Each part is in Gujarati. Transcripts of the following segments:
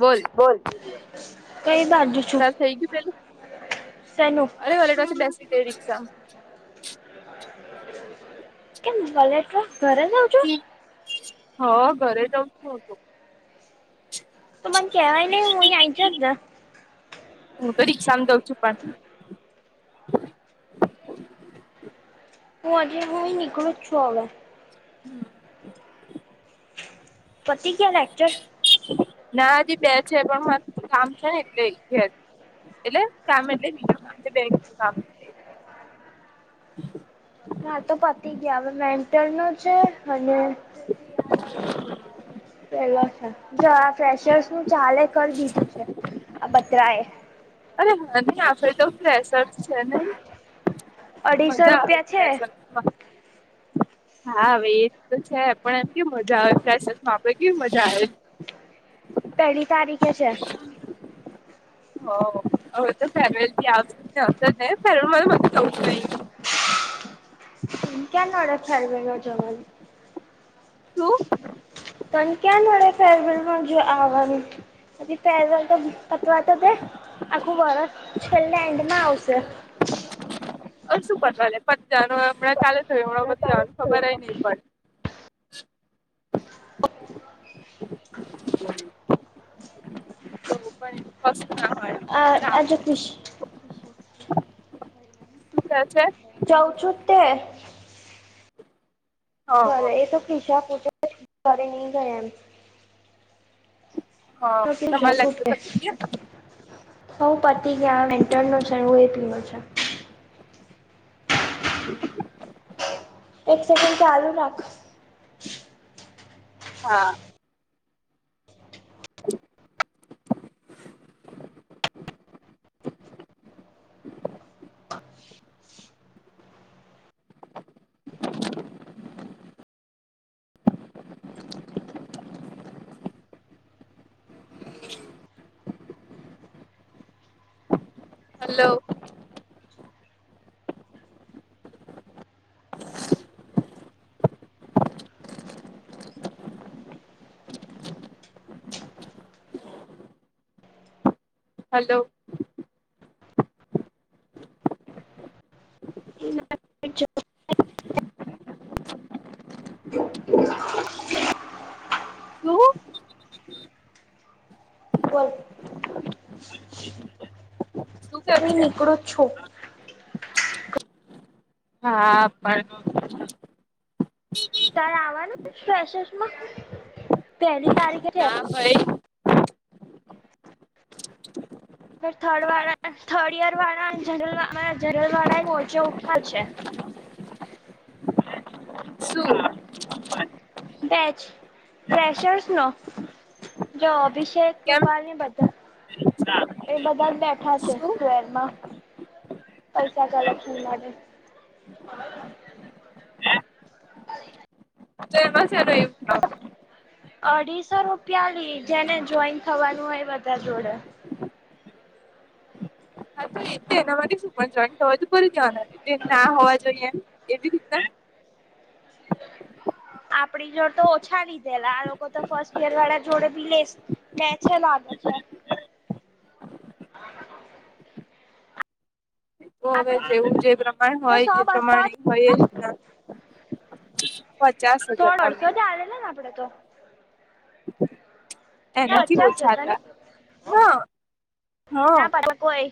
બોલ કઈ બાજુ છું ત થઈ ગય પે શેનું અરે વલેટ પાસે બેસી તે રિક્ષા કેમ કલેજ ઘરે જઉ હ ઘરે જઉ છતું તો મને કહેવાય નને હુંં આવીં જ જ હું તરી સમજાવ છું પણ હું હજે હું નીકળું છું હવે. હમ. પતિ ગ્યા લેક્ચર. ના હજી બે છે પણ મા કામ છે ને એટલે ઘેર. એટલે કામ એટલે બીજા કામ છે બેન્કના. માર તો પતી ગ્યા હવે મેન્ટર નું છે અને પેલા છે જો આ ફ્રેશર્સ નું ચાલે કર દીધું છે આ બતરાએ. અરે હા નહી આપડે તો ફ્રેશર્સ છે નહી અઢીસો મજા આવે રૂપિયા છે ફ્રેશર્સ હા. હા હવે એ તો છે પણ એમ કે મજા આવેમાં ફ્રેશર્સમા આપડે કેવી મજા આવે. પેલી તારીખે છે. હવ હવે તો ફેરવેલ થી આવશે તો [unintelligible] ફેરવેલ માતે જવુંજ નહી. ક્યાં નડે ફેરવેલનો જમલ. શું? તન ક્યાં નડે ફેરવેલમાં પણ જો આવવાનું પછી ફેરવેલ તો પતવા તો દે આખું વરસ છેલ્લે એન્ડમાં આવશે. પણ શું પતવા લે પણ જાનું હમણાં ચાલે થય હમણાં બધું ચાલુ જ જવાનું ખબરેય થયું. નહિ પડે. તો પણ કશું ના હોય. આ આજો ચાલે શું કૃશ શું કે છે? જઉ છું તે. હ હ કરે એ તો ખીશા ખૂચા ઘરે નહી ગયા એમ. હા તમાર લગતુ તો થી ગ્યા. હઉ પતિ ગ્યા વેન્ટર નું છે હું એ પીવું છે. [unintelligible] એક સેકન્ડ ચાલુ રાખ. હા. હલો. હલો. કેમ છો? શું બોલ. શું કે હુંય છે નીકળું છુ. હા [unintelligible] શેશસમાં પહેલી તારીખે છે. ના ભાઈ પર થર્ડ વાળા થર્ડ યર વાળા જનરલ વા જનરલ વાળા એ મોરચો ઉઠાવ છે. શું બેચ ફ્રેશર્સ નો. જો અભિષેક કેમ રૂપાલ ની બધા એ બધા જ બેઠા છે શું સ્વેરમાં પૈસા કલેક્શન માટે. સર [unintelligible] અઢીસો રૂપિયા લી જેને જોઈન થવાનું હોય બધા જોડે. તોએ તે એના માટે શું પણ જોઈન્ટ થવાય તો ફરી કહેવાના છે તે ના હોવા જોઈએ એમ એવી રીતના આપણી જોડ તો ઓછા લીધેલા આ લોકો તો ફર્સ્ટ યર વાળા જોડે ભી લેસ લે છે લાગે છે. તો હવે આપડે જેવું જે પ્રમાણ તો હોય સો જે બસો પ્રમાણે હોય એ જ રીતના. પચાસ. હજાર ત્રણ તમે અડસો જ આવેલા ને આપડે તો. એનાથી પચાસ ઓછા હતા ને ના હા ના [unintelligible] કોઈ.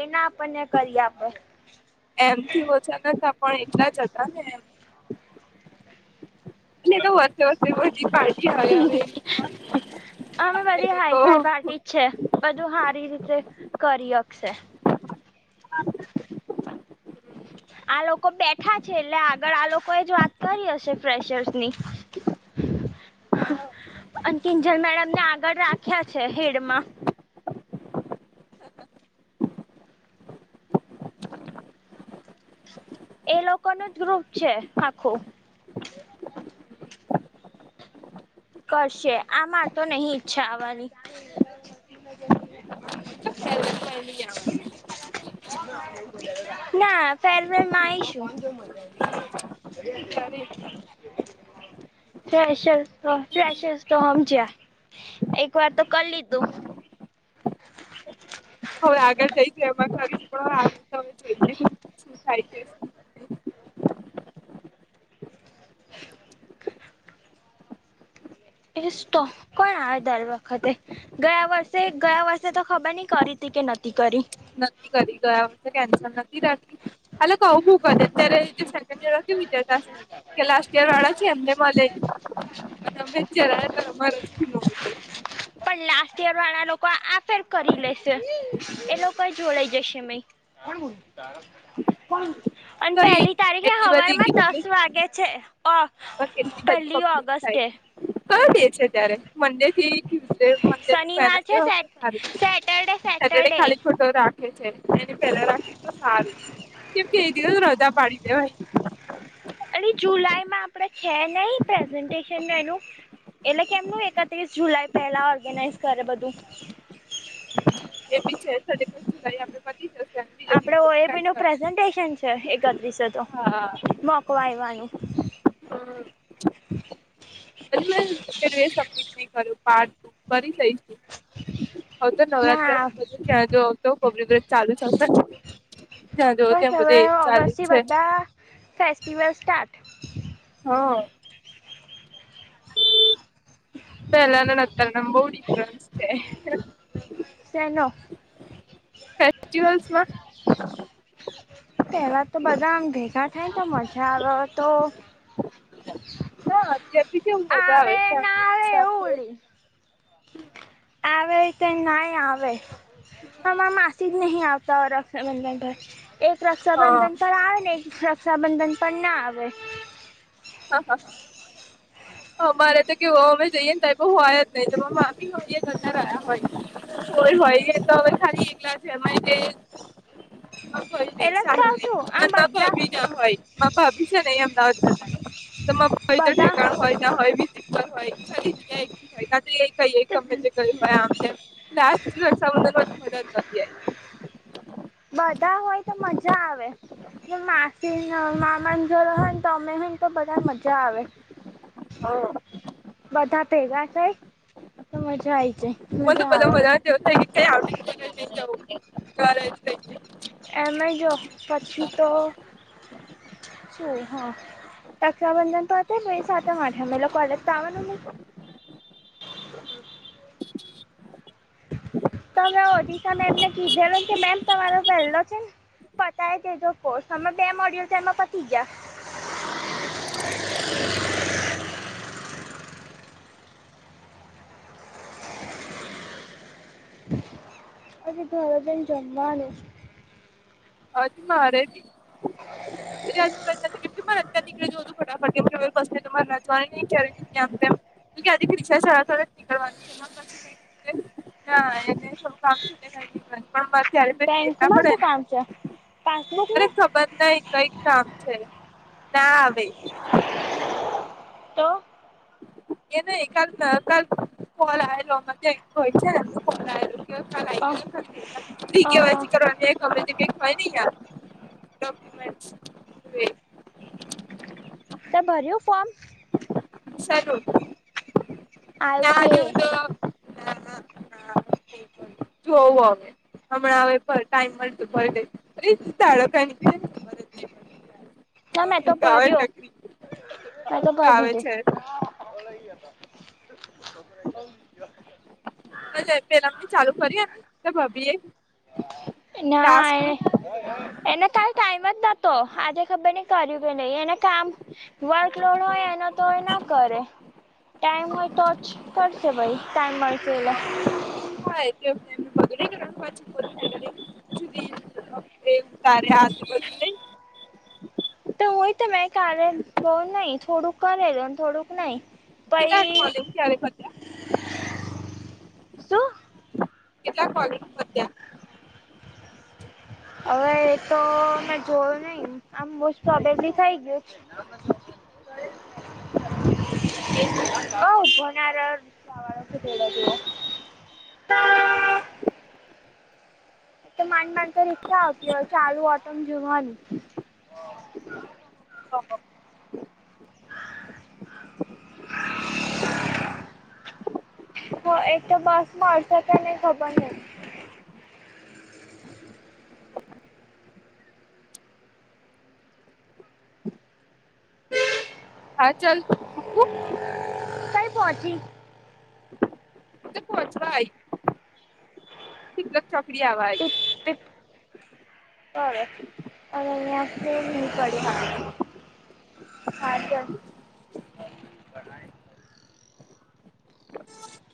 એના આપણને કરી આપે. એમથી ઓછા નતા પણ એટલા જ હતા ને એમ. એટ તો વ વી પા અમે વધ હવે એ હાઈ ફાઈ લોકો પાર્ટી છે બધું સારી રીતે કરી હકશે આ લોકો બેઠા છે એટલે આગળ આ લોકો એ જ વાત કરી હશે ફેશર્સની અને કિંજણ મેડમને આગળ રાખ્યા છે હેડમાં એ લોકો નું જ ગ્રુપ છે આખું કરશે આમાં તો નહ ઈચ્છા આવવાની હ ના ફેરવેલ માં આવીશું હ ઈશ્ર ફેશસ તો સમજ્યા એક વાર તો કરી લીધું હવે આગળ જઈશ એમાં કરીશ હ થ એટ સ્ટોક કોણ આવે દર વખતે ગયા વર્ષે ગયા વર્ષે તો ખબર નઈ કરી હતી કે નથી કરી નથી કરી ગયા હશે કેન્સલ નથી થતી અલે કઉુંક અત્યારે જે સેકન્ડ ઇયર વા વિચારતા હશે કે લાસ્ટ ઈયર વાળા એમને મળેલી અને અમે જરા અમારો જ ગુનો હતો પણ લાસ્ટ યર વાળા લોકો આ ફેર કરી લેશે એ લોકો જોડાઈ જશે મે કોણ કોણ અને તો પહેલી તારીખે એટલી હવાર બધી માં દસ કેટલી વાગે છે ઓ પહેલી ઓગસ્ટ કરી દે છે ત્યારે મંડે થી ટ્યુઝડે મંદિર શનિવાર વનસ છે ડે સેટ સારું સેટરડે સેટરડે ખાલી છોટો રાખ એ પેલા રાખી તો સારું કેમ કે દ હૃજા પાડી દે ભાઈ અને જુલાઈમાં આપણેે છે નહી પ્રેઝન્ટેશન ન એનું એટલે કેમનું એકત્રીસ જુલાઈ પેલા ઓર્ગેનાઈઝ કરે બધું. એ બી છેઈ આપડે- - આપડે ઓએપી નું પ્રેઝન્ટેશન છે એકત્રીસ તો હા મોકવાયવાનું. પ મે પેું સબમિટ નહી કર્યું પાર ટુ કરી દઈશું. હ તો નવરાત્ર ના બધું ત્યાં જો આવ તો કબરીગ્રજ ચાલુ જશે. તો હવે ઓગસથી છે બધા ફેસ્ટિવલ સ્ટાર્ટ- - હા. પેલા નતાર મા બો ડિફરન્સ છે. શનો? ફેસ્ટિવલ્સમાં. પહેલાં તો બધા ભેગા થાય તો મજા આવે તો- - ના અત્યારથી કેવ મજા આવે ફેમ ના આવે સાથે- - [inaudible] આવે કે નહી આવે હ માસી જ નહીં આવતા ઓરખ. રક્ષાબંધન પર એક રક્ષાબંધન પર હા આવે ને એક રક્ષાબંધન પર ના આવે. હા હા. અમારે તો કેવું અમે જઈએ ને ટાઈ હોય જ નહી જમા માફી હોય જતા રહયા હોય. કોઈ હોય એ તો હવે ખાલી એકલા છે એમાં કે- - કોઈ નઈ એટલે જ સારું કહું છું ન આમ બધા ભભી ના હોય ભાભી છે નહી અમદાવાદમાં- - તમા કોય તો બધા ઠેકાણ હોય ના હોય હોય જગ્યા હોયા. કઈ ગમે તે ગયું હોય આમ તેમ લર્ષન મદદ નથી આવી. બધા હોય તો મજા આવે માસી મામાને જો હોય ને તમે હ- - તો બધા મજા આવે. આવી બધા [unintelligible] કઈ તો મજા આય છે. [unintelligible] એનું જો પછી તો શું હા- - રક્ષાબંધન તો હતા બે સાથે [unintelligible] કોલેજ તો આવના નઈ - જાય. તમે ડિશા મેમને કીધેલ કે મેમ તમારો પહેલો છે ને- - પતાય તેજો કોર્સ તમે બે મોડિયો તેમાં પતી ગયા. અજુ ઘરે જઈને જમવાનું અજ મારે [unintelligible] [unintelligible] ના એને થોડું કામ છે પણ ત્યારે [unintelligible] ના બેંકમાં પડે ને? શું કામ છે પાસબુક નુ [unintelligible] કઈક કામ છે ના આવે. તો એને [unintelligible] [unintelligible] લાઈબ્રેરી [unintelligible] કે અહ વાય અહ સી કરવા [unintelligible] યાર ડોક્યુમેન્ટસ તે ભર્યું ફોર્મ? સલું આવ્યું તો એ [unintelligible] તો [inaudible] જોવું અવે. હમણાં હવે ટાઈમ મળતું પર [unintelligible] [inaudible] મેં તો ભર્યો મેં તો ઊંઘ ભરી આવે દીધો. છે [inaudible] પેલાની ચાલુ કરીએ તો ભાભીએ? ના એ એને કાઈ ટાઈમ જ નતો આજે ખબર નઈ કર્યું કે નહી એને- - કામ વર્કલોડ હોય એના તો એ ના કરે ટાઈમ હોય તો જ કરશુ ભાઈ ટાઈમ મળશે એટલે હા એટલે [unintelligible] [unintelligible] તો હોય તો મે કાલે બઉુ નઈ થોડુંક કરેલુ અને થોડુંક નહી કેટલા તઈ કોલિંગ ક્યારે પત્યા શું કેટલા કોલીંગ પત્યા હવે એ તો મેં જોયું નહી આમ મોસ્ટ પ્રોબેબલી થઈ ગયું [inaudible] આ ઉભો ના રહયો રિક્ષા વાળો ગધેડા જેવો [unintelligible] તો માંડ માંડ તો રિક્સા આવતી હોય છે ચાલુ ઓટો મા જવાનું [inaudible] [inaudible] હ એક તો બસ માં હતા કે નહી ખબર નહી હા ચાલ મુકું કઈ પહોંચી હું ત પહોચવા આવી [unintelligible] ચોકડી આવા આઈ ત [unintelligible] [unintelligible] હા હા [inaudible]